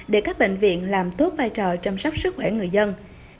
để các bệnh viện làm tốt vai trò chăm sóc sức khỏe người dân